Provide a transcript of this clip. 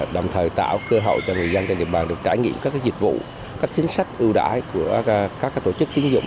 đồng thời tạo cơ hội cho người dân trên địa bàn được trải nghiệm các dịch vụ các chính sách ưu đãi của các tổ chức tín dụng